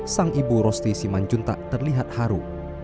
sang ibu rosti siman cinta terlihat haru